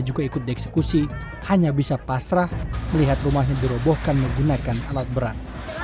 juga ikut dieksekusi hanya bisa pasrah melihat rumahnya dirobohkan menggunakan alat berat